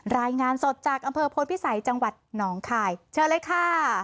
รายงานสดจากอำเภอพลพิสัยจังหวัดหนองคายเชิญเลยค่ะ